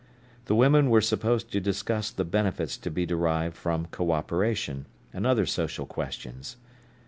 The women were supposed to discuss the benefits to be derived from co operation, and other social questions.